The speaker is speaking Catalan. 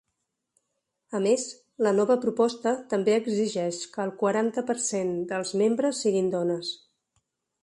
A més, la nova proposta també exigeix que el quaranta per cent dels membres siguin dones.